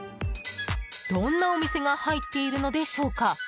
どんなお店が入っているのでしょうか。